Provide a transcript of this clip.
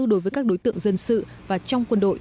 đối với các đối tượng dân sự và trong quân đội